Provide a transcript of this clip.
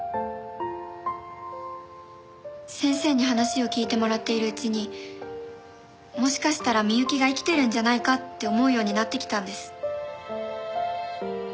先生に話を聞いてもらっているうちにもしかしたら美雪が生きてるんじゃないかって思うようになってきたんです。